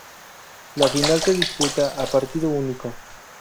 La final se disputa a partido único.